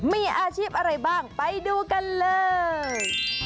มีอาชีพอะไรบ้างไปดูกันเลย